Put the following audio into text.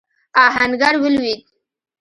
آهنګر ولوېد.